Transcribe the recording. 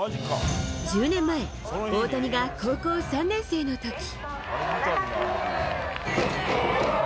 １０年前、大谷が高校３年生のとき。